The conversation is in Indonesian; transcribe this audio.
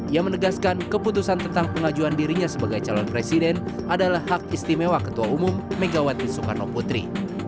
ia menegaskan keputusan tentang pengajuan dirinya sebagai calon presiden adalah hak istimewa ketua umum megawati soekarno putri